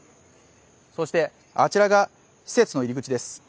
そして、あちらが施設の入り口です